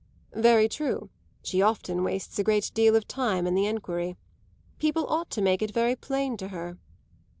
"Very true she often wastes a great deal of time in the enquiry. People ought to make it very plain to her."